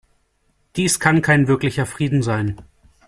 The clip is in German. Dies kann kein wirklicher Frieden sein.